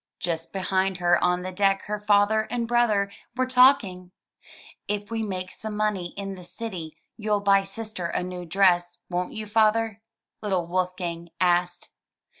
Just behind her on the deck her father and brother were talking. If we make some money in the city you'll buy sister a new dress, won't you. Father?'* little Wolfgang asked.